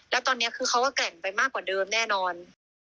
แล้วตอนนี้คือเขาก็แกร่งไปมากกว่าเดิมแน่นอน